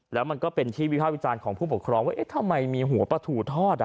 แล้วมันก็เป็นที่วิภาควิจารณ์ของผู้ปกครองว่าเอ๊ะทำไมมีหัวปลาถูทอด